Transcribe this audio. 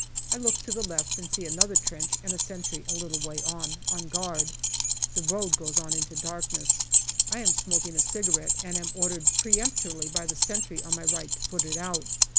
I look to the left and see another trench and a sentry a little way on, 58 GALLIPOLI DIARY on guard. The road goes on into darkness. I am smoking a cigarette, and am ordered peremptorily by the sentry on my right to put it out.